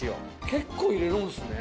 結構入れるんですね。